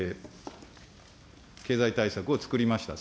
経済対策をつくりました。